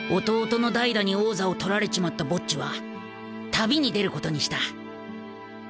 ［弟のダイダに王座を取られちまったボッジは旅に出ることにした］